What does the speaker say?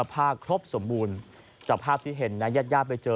ผ้าครบสมบูรณ์จากภาพที่เห็นนะญาติญาติไปเจอ